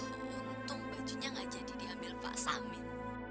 untung bajunya gak jadi diambil pak samin